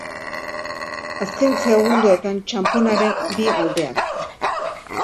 Azken segundoetan txanponaren bi aldeak.